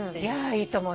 いいと思う。